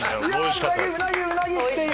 うなぎうなぎうなぎ！っていう。